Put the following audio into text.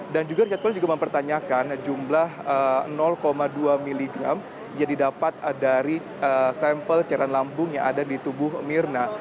dan juga richard collins juga mempertanyakan jumlah dua miligram yang didapat dari sampel ceran lambung yang ada di tubuh mirna